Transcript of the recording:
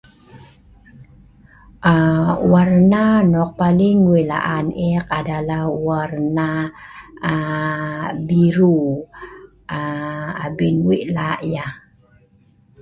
Aa.. warna nok adien wei laan eek adalah warna aa…warna biru. Aa…abien wei la’ yeh